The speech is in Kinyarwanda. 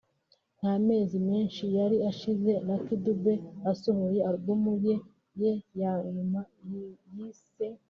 nta mezi menshi yari ashize Lucky Dube asohoye Album ye ye ya nyuma yise